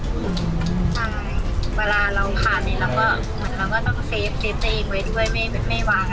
ค่ะเวลาเราผ่านเหมือนแต่ว่า